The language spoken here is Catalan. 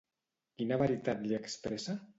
Quina veritat li expressa?